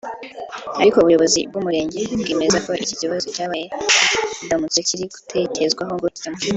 ariko ubuyobozi bw’Umurenge bwemeza ko iki kibazo cyabaye nk’indamutso kiri gutekerezwaho ngo gikemuke